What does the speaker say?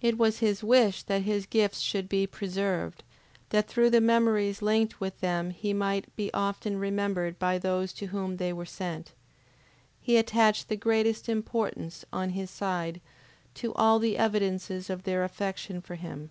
It was his wish that his gifts should be preserved, that through the memories linked with them he might be often remembered by those to whom they were sent. He attached the greatest importance, on his side, to all the evidences of their affection for him.